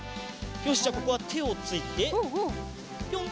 よしじゃあここはてをついてぴょん。